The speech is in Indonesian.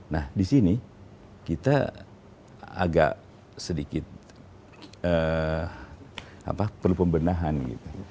nah di sini kita agak sedikit perlu pembenahan gitu